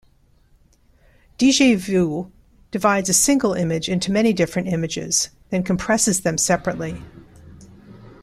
DjVu divides a single image into many different images, then compresses them separately.